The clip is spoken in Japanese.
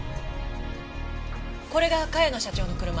これが茅野社長の車。